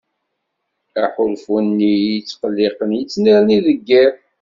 Aḥulfu-nni iyi-ittqelliqen yettnerni deg yiḍ.